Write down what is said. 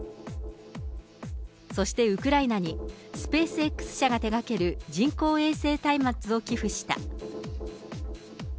そしてウクライナにＳｐａｃｅＸ社が手掛ける人工衛星端末を寄付した。